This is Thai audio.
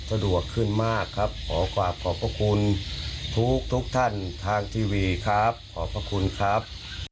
สะดวกขึ้นมากครับขอกราบขอบพระคุณทุกท่านทางทีวีครับขอบพระคุณครับ